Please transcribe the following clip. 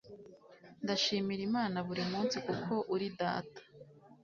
ndashimira imana burimunsi kuko uri data